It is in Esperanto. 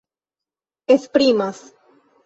esprimas